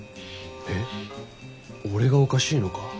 えっ俺がおかしいのか？